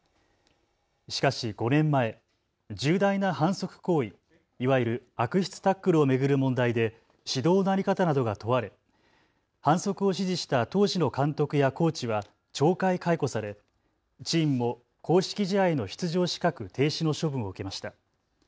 しかし５年前、重大な反則行為、いわゆる悪質タックルを巡る問題で指導の在り方などが問われ反則を指示した当時の監督やコーチは懲戒解雇され、チームも公式試合の出場資格停止の処分を受けました。